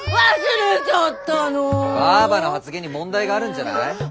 ばぁばの発言に問題があるんじゃない？